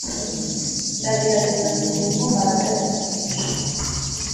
Ndagerageza kumenya uko Mbaraga yabigenje